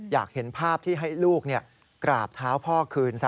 อยากเห็นภาพที่ให้ลูกกราบเท้าพ่อคืนซะ